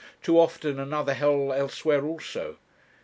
too often another hell elsewhere also.